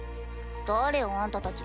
誰よあんたたち。